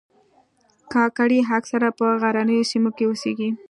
کاکړي اکثره په غرنیو سیمو کې اوسیږي.